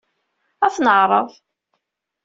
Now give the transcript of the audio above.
Ad t-neɛreḍ.